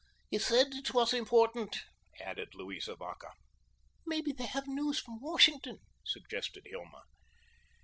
"He said it was important," added Louisa Vacca. "Maybe they have news from Washington," suggested Hilma.